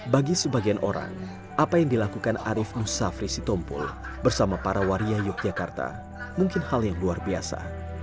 bagi sebagian orang apa yang dilakukan arief nusafri sitompul bersama para waria yogyakarta mungkin hal yang luar biasa